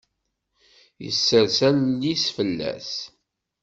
Isers allen-is fell-as.